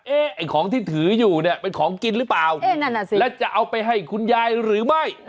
ไอ้ของที่ถืออยู่เนี่ยเป็นของกินหรือเปล่าแล้วจะเอาไปให้คุณยายหรือไม่